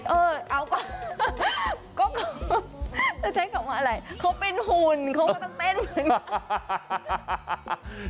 เออเอาก่อนก็คือจะใช้คำว่าอะไรเขาเป็นหุ่นเขาก็ต้องเต้นเหมือนกัน